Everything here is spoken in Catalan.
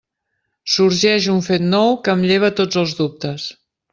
Sorgeix un fet nou que em lleva tots els dubtes.